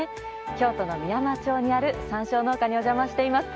京都の美山町にある山椒農家にお邪魔しています。